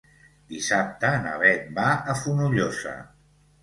Dissabte na Beth va a Fonollosa.